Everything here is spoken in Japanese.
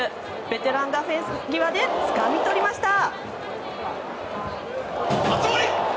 ベテランがフェンス際でつかみ取りました！